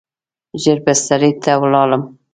ژر بسترې ته ولاړم.